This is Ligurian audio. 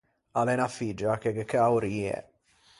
A l’é unna figgia che gh’é cao rie.